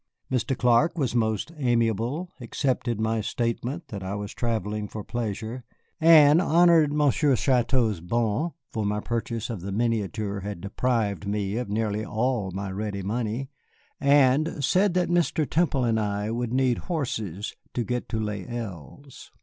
Mr. Clark was most amiable, accepted my statement that I was travelling for pleasure, and honored Monsieur Chouteau's bon (for my purchase of the miniature had deprived me of nearly all my ready money), and said that Mr. Temple and I would need horses to get to Les Îles.